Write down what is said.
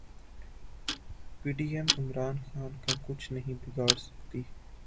پی D M Imran Khan کا کچھ نہیں بگاڑسکتی